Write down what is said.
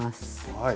はい。